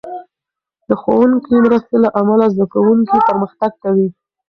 د ښوونکې مرستې له امله، زده کوونکي پرمختګ کوي.